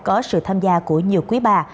có sự tham gia của nhiều quý bà